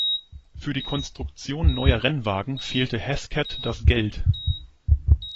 Für die Konstruktion neuer Rennwagen fehlte Hesketh das Geld.